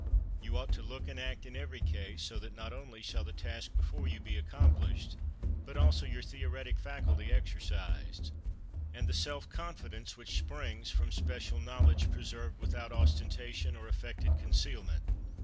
You ought to look and act in every case so that not only shall the task before you be accomplished, but also your theoretic faculty exercised, and the self confidence which springs from special knowledge preserved without ostentation or affected concealment.